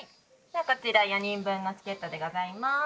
ではこちら４人分のチケットでございます。